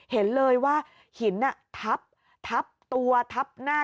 เห็นเลยว่าหินทับทับตัวทับหน้า